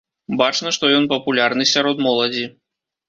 Бачна, што ён папулярны сярод моладзі.